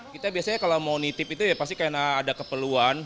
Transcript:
kita biasanya kalau mau nitip itu ya pasti karena ada keperluan